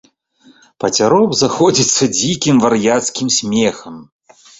Пацяроб заходзіцца дзікім вар'яцкім смехам.